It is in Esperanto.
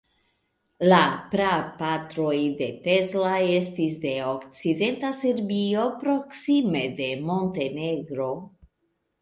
La prapatroj de Tesla estis de okcidenta Serbio, proksime de Montenegro.